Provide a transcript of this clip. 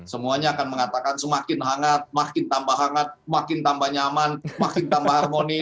semuanya akan mengatakan semakin hangat makin tambah hangat makin tambah nyaman makin tambah harmoni